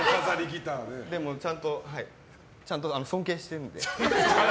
でもちゃんと尊敬してるんで。